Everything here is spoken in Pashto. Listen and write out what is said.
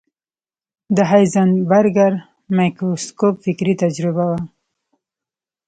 د هایزنبرګر مایکروسکوپ فکري تجربه وه.